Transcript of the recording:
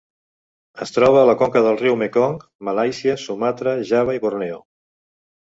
Es troba a la conca del riu Mekong, Malàisia, Sumatra, Java i Borneo.